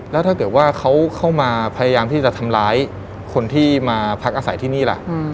แล้วถ้าเกิดว่าเขาเข้ามาพยายามที่จะทำร้ายคนที่มาพักอาศัยที่นี่ล่ะ